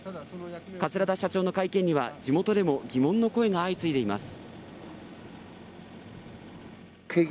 桂田社長の会見には地元でも疑問の声が相次いでいます。